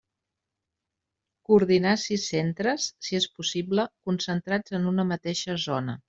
Coordinar sis centres, si és possible concentrats en una mateixa zona.